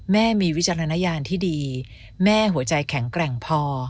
แม่มีวิจารณญาณที่ดีแม่หัวใจแข็งแกร่งพอ